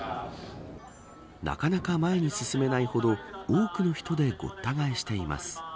なかなか前に進めないほど多くの人でごった返しています。